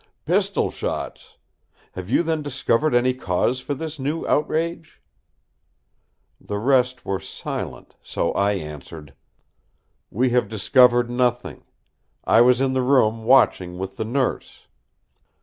"Pistol shots? Have you then discovered any cause for this new outrage?" The rest were silent, so I answered: "We have discovered nothing. I was in the room watching with the Nurse.